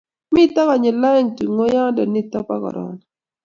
mito konyil oeng' tunguyonde nito bo korona